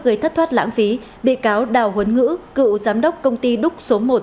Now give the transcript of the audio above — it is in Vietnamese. gây thất thoát lãng phí bị cáo đào huấn ngữ cựu giám đốc công ty đúc số một